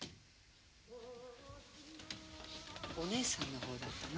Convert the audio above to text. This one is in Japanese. お姉さんの方だったな。